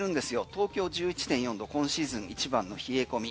東京１１．４度今シーズン一番の冷え込み。